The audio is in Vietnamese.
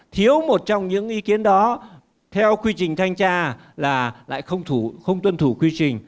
thiếu một trong những ý kiến đó theo quy trình thanh tra là lại không tuân thủ quy trình